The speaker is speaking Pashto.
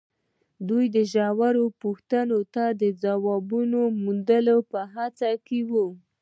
دوی ژورو پوښتنو ته د ځواب موندلو په هڅه کې وي.